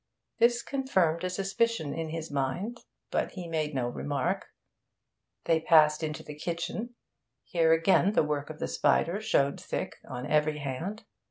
This confirmed a suspicion in his mind, but he made no remark. They passed into the kitchen. Here again the work of the spider showed thick on every hand.